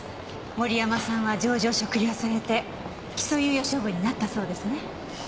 森山さんは情状酌量されて起訴猶予処分になったそうですね。